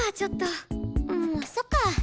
んそっか。